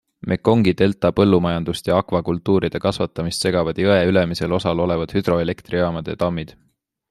Mekongi delta põllumajandust ja akvakultuuride kasvatamist segavad jõe ülemisel osal olevad hüdroelektrijaamade tammid.